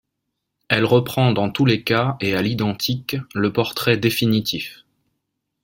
Elle reprend dans tous les cas, et à l’identique, le portrait définitif.